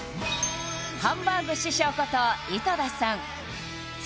ハンバーグ師匠こと井戸田さん